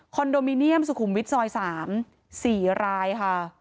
โดมิเนียมสุขุมวิทย์ซอย๓๔รายค่ะ